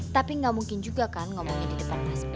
tapi gak mungkin juga kan ngomongin di depan mas b